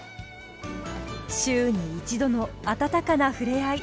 週に一度の温かな触れ合い。